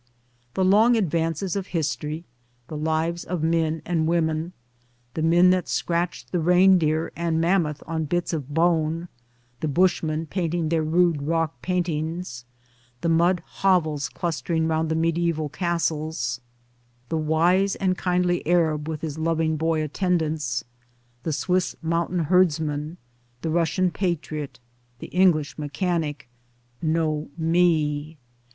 The long advances of history, the lives of men and women — the men that scratched the reindeer and mammoth on bits of bone, the Bushmen painting their rude rock paintings, the mud hovels clustering round mediaeval castles, the wise and kindly Arab with his loving boy attendants, the Swiss moun tain herdsman, the Russian patriot, the English mechanic, Know ME.